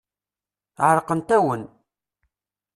Ɛerqent-awen.